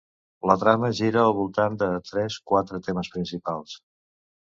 La trama gira al voltant de tres quatre temes principals.